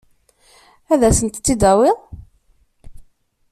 Ad asent-tt-id-tawiḍ?